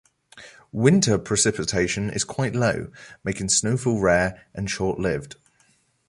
Winter precipitation is quite low, making snowfall rare and short-lived.